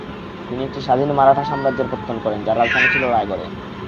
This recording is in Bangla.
তিনি একটি স্বাধীন মারাঠা সাম্রাজ্যের পত্তন করেন, যার রাজধানী ছিল রায়গড়ে।